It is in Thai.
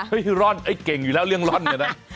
เฮ้ยร่อนไอ้เก่งอยู่แล้วเรื่องร่อน